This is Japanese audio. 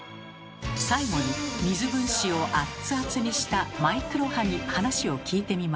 最後に水分子をアッツアツにしたマイクロ波に話を聞いてみました。